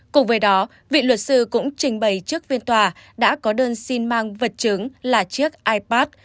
cùng với đó vị luật sư cũng trình bày trước phiên tòa đã có đơn xin mang vật chứng là chiếc ipad